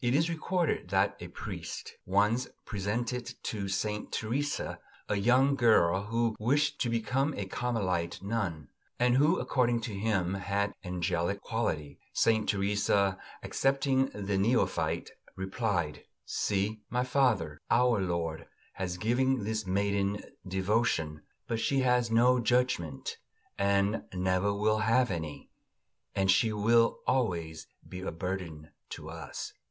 It is recorded that a priest once presented to Saint Teresa a young girl who wished to become a Carmelite nun, and who, according to him, had angelic qualities. Saint Teresa, accepting the neophyte, replied: "See, my father, our Lord has given this maiden devotion, but she has no judgment, and never will have any; and she will always be a burden to us."